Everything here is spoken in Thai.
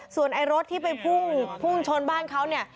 ส่วนไอ้รถที่ไปพุ่งชนบ้านเขาเนี่ย